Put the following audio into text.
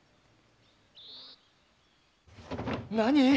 何？